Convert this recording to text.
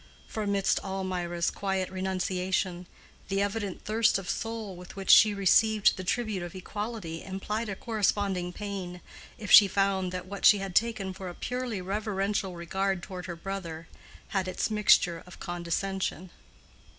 For amidst all Mirah's quiet renunciation, the evident thirst of soul with which she received the tribute of equality implied a corresponding pain if she found that what she had taken for a purely reverential regard toward her brother had its mixture of condescension.